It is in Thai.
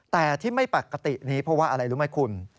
แต่ที่ไม่ปกตินี้เพราะว่าอะไรรู้ไหมคุณ